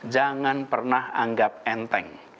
jangan pernah anggap enteng